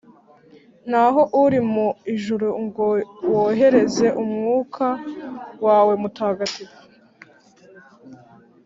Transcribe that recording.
n’aho uri mu ijuru ngo wohereze Umwuka wawe mutagatifu?